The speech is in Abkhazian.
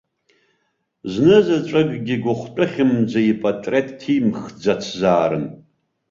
Знызаҵәыкгьы, гәыхәтәхьымӡа, ипаҭреҭ ҭимхӡацзаарын.